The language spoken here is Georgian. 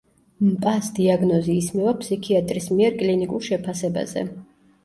მპა-ს დიაგნოზი ისმევა ფსიქიატრის მიერ კლინიკურ შეფასებაზე.